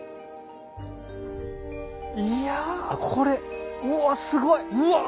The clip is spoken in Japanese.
いやこれうわすごい！うわ！